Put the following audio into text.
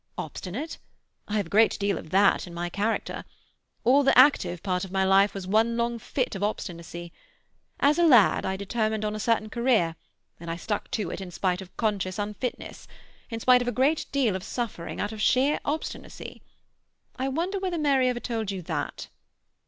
Obstinate? I have a great deal of that in my character. All the active part of my life was one long fit of obstinacy. As a lad I determined on a certain career, and I stuck to it in spite of conscious unfitness, in spite of a great deal of suffering, out of sheer obstinacy. I wonder whether Mary ever told you that."